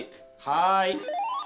はい。